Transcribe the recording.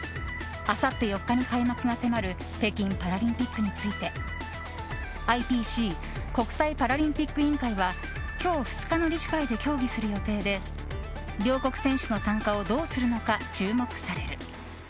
あさって４日に開幕が迫る北京パラリンピックについてＩＰＣ・国際パラリンピック委員会は今日２日の理事会で協議する予定で両国選手の参加をどうするのか注目される。